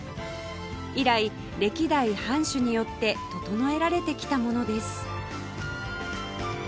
以来歴代藩主によって整えられてきたものです